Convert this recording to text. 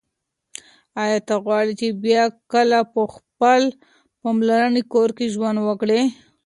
ایا ته غواړې چې بیا کله په خپل پلرني کور کې ژوند وکړې؟